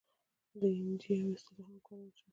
د این جي او اصطلاح هم کارولی شو.